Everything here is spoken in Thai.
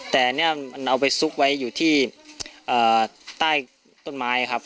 แต่อันนี้มันเอาไปซุกไว้อยู่ที่ใต้ต้นไม้ครับ